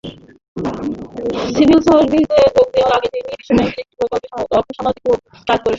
Civil সার্ভিসে যোগ দেয়ার আগে তিনি বিশ্বব্যাংকের একটি প্রকল্পে আর্থসামাজিক গবেষণা কাজের সঙ্গে সংশ্লিষ্ট ছিলেন।